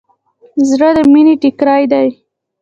زړه د مینې ټیکری دی.